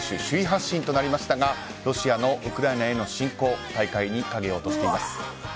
首位発進となりましたがロシアのウクライナへの侵攻大会に影を落としています。